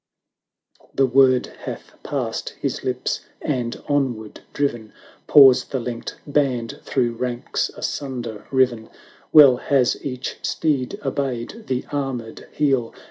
The word hath passed his lips, and onward driven, Pours the linked band through ranks asunder riven: Well has each steed obeyed the armed heel.